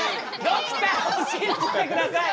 ドクターを信じてください！